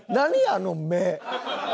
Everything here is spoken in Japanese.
あの目。